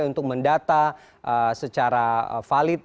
untuk mendata secara valid